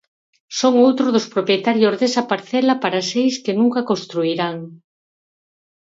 Son outros dos propietarios desa parcela para seis que nunca construirán.